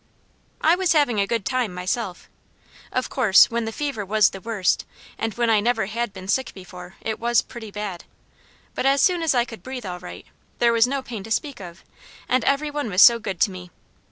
I was having a good time, myself. Of course when the fever was the worst, and when I never had been sick before, it was pretty bad, but as soon as I could breathe all right, there was no pain to speak of, and every one was so good to me.